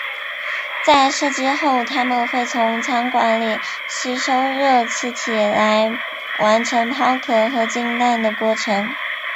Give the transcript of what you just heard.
在射击后它们会从枪管里吸收热气体来完成抛壳和进弹的过程。